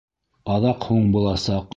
Аҙаҡ һуң буласаҡ!